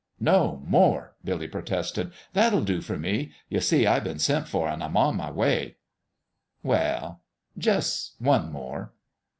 " No more !" Billy protested. " That'll do fer me. Ye see, I been sent fer, an' I'm on my way well, jus' one more."